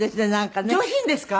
上品ですか？